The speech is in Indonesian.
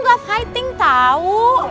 gak fighting tau